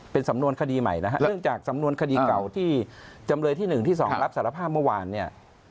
เป็นสำนวนคดีใหม่นะฮะเนื่องจากสำนวนคดีเก่าที่จำเลยที่๑ที่๒รับสารภาพเมื่อวานเนี่ย